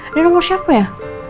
ini nomor siapa ya